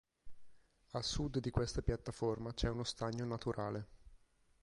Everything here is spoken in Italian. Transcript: A sud di questa piattaforma c'è uno stagno naturale.